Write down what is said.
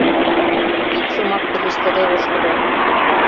Ик шомак пелештыде ошкыльо.